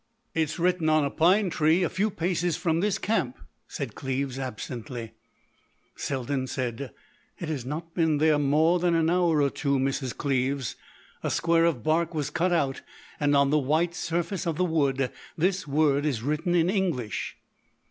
"It is written on a pine tree a few paces from this camp," said Cleves absently. Selden said: "It has not been there more than an hour or two, Mrs. Cleves. A square of bark was cut out and on the white surface of the wood this word is written in English."